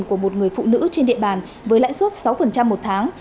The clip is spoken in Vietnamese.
của một người phụ nữ trên địa bàn với lãi suất sáu một tháng